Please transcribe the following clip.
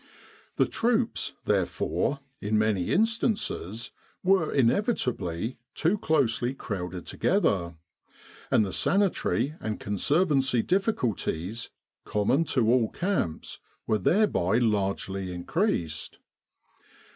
The troops, therefore, in many instances, were in evitably too closely crowded together; and the sani tary and conservancy difficulties, common to all camps, were thereby largely increased.